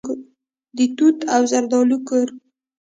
د توت او زردالو کور.